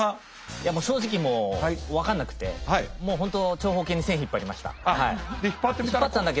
いやもう正直もう分かんなくてもう本当長方形に線引っ張りました。